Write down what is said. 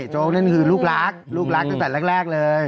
โจ๊กเล่นคือลูกรักลูกรักตั้งแต่แรกเลย